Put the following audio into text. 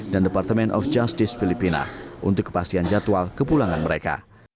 dan departemen of justice filipina untuk kepastian jadwal kepulangan mereka